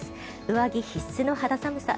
上着必須の肌寒さ